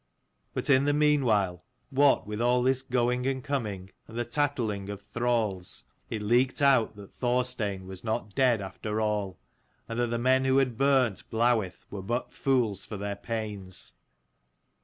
But in the meanwhile, what with all this going and coming, and the tattling of thralls, it leaked out that Thorstein was not dead after all : and that the men who had burnt Blawith were but fools for their pains.